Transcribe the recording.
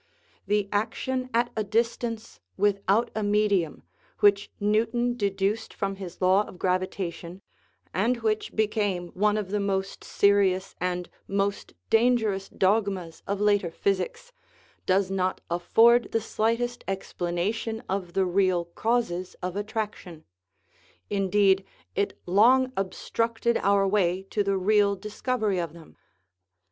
The action at a distance without a medium, which New ton deduced from his law of gravitation, and which be came one of the most serious and most dangerous dog mas of later physics, does not afford the slightest ex planation of the real causes of attraction; indeed, it long obstructed our way to the real discovery of them.